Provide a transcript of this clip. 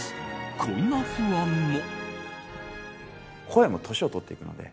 こんな不安も。